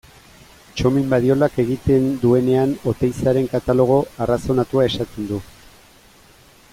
Txomin Badiolak egiten duenean Oteizaren katalogo arrazonatua esaten du.